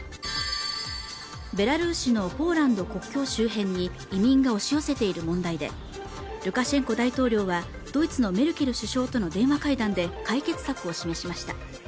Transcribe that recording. ベラルーシのポーランド国境周辺に移民が押し寄せている問題で、ルカシェンコ大統領はドイツのメルケル首相との電話会談で解決策を示しました。